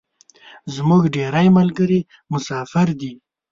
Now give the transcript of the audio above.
زمونږ ډیری ملګري مسافر دی